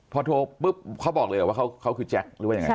พอโทรปุ๊บเขาบอกเลยเหรอว่าเขาคือแจ็คหรือว่ายังไง